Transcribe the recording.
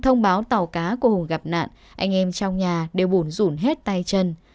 thông báo tàu cá của hùng gặp nạn anh em trong nhà đều bùn rũn hết tay chân